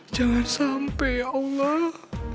jangan sampai ya allah